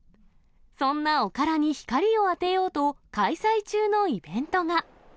そんなおからに光を当てようと、開催中のイベントが。